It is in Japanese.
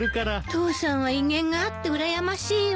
父さんは威厳があってうらやましいわ。